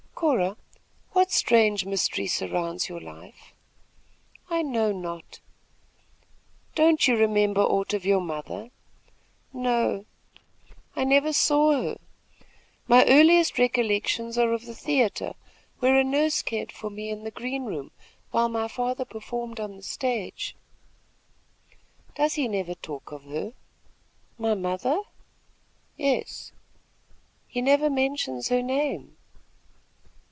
"Cora, what strange mystery surrounds your life?" "I know not." "Don't you remember aught of your mother?" "No; I never saw her. My earliest recollections are of the theatre, where a nurse cared for me in the greenroom, while my father performed on the stage." "Does he never talk of her?" "My mother?" "Yes." "He never mentions her name."